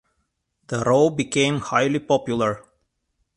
The role became highly popular.